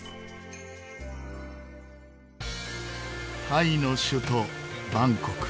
タイの首都バンコク